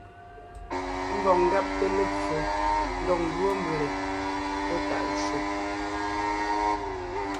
Ḿvɔg ńgabte lepfo ndɔg ńdúɔ mbʉ̀le pɔ́ tàʼ ncwò.